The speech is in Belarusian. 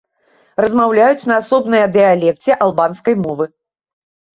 Размаўляюць на асобныя дыялекце албанскай мовы.